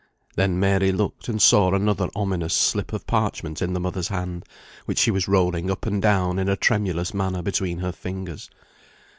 Then Mary looked and saw another ominous slip of parchment in the mother's hand, which she was rolling up and down in a tremulous manner between her fingers.